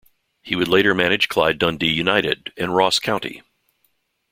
He would later manage Clyde, Dundee United and Ross County.